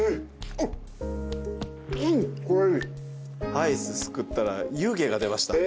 アイスすくったら湯気が出ました。